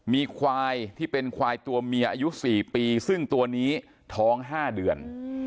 มีควายที่เป็นควายตัวเมียอายุ๔ปีซึ่งตัวนี้ท้อง๕เดือน